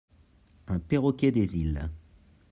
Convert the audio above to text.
Un perroquet des îles.